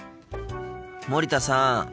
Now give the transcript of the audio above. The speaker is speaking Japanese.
森田さん。